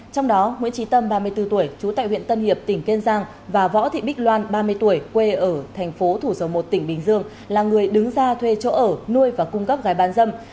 trong đó nguyễn trí tâm ba mươi bốn tuổi chú tại huyện tân hiệp tỉnh kiên giang và võ thị bích loan ba mươi tuổi quê ở thành phố thủ dầu một tỉnh bình dương là người đứng ra thuê chỗ ở nuôi và cung cấp gái bán dâm